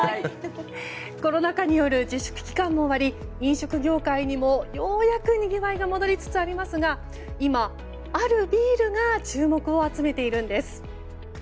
コロナ禍による自粛期間も終わり飲食業界にもようやくにぎわいが戻りつつありますが今、あるビールが注目を集めているんです。